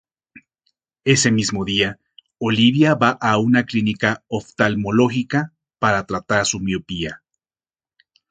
Ese mismo día, Olivia va a una clínica oftalmológica para tratar su miopía.